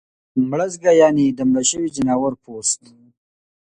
مړزګه یعنی د مړه شوي ځناور پوست